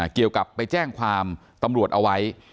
เกี่ยวกับไปแจ้งความตำรวจเอาไว้